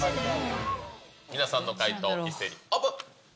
皆さんの回答、一斉にオープン。